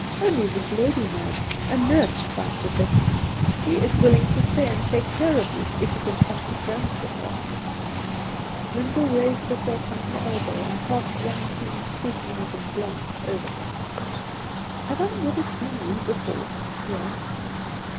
"Only this lady, ma'am a nurse by profession. She is willing to stay and take care of you, if you can come to terms with her." Lyndall raised herself on her elbow, and cast one keen scrutinizing glance over him. "Have I never seen you before?" she asked.